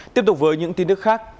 tiếp tục với những tin tức khác